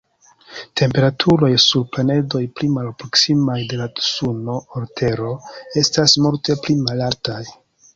Temperaturoj sur planedoj pli malproksimaj de la Suno ol Tero estas multe pli malaltaj.